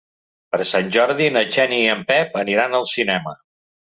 Per Sant Jordi na Xènia i en Pep aniran al cinema.